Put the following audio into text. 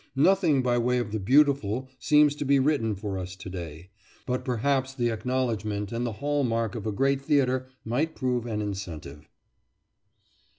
Nothing by way of the beautiful seems to be written for us to day, but perhaps the acknowledgment and the hall mark of a great theatre might prove an incentive.